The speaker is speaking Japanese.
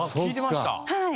はい。